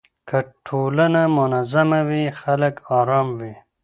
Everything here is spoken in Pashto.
که ټولنه منظمه وي خلګ آرام وي.